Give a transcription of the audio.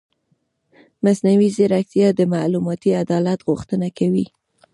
مصنوعي ځیرکتیا د معلوماتي عدالت غوښتنه کوي.